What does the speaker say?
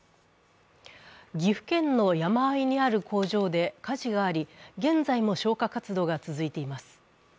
岐阜県の山あいにある工場で火事があり、現在も消火活動が続いています。